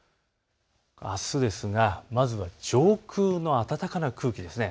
あすまず上空の暖かな空気です。